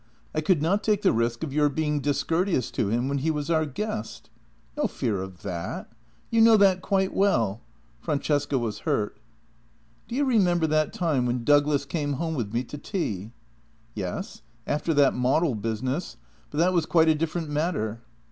I could not take the risk of your being dis courteous to him when he was our guest." "No fear of that. You know that quite well." Francesca was hurt. " Do you remember that time when Douglas came home with me to tea? "" Yes, after that model business, but that was quite a differ ent matter."